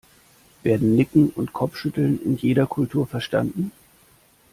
Werden Nicken und Kopfschütteln in jeder Kultur verstanden?